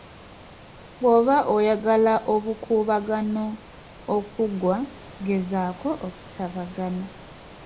Bw'oba oyagala obukuubagano okuggwa gezaako okutabagana